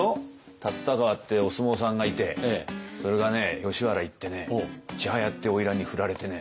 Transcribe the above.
龍田川ってお相撲さんがいてそれがね吉原行って千早っていうおいらんに振られてね